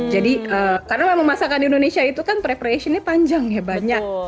jadi karena memasakkan di indonesia itu kan preparationnya panjang ya banyak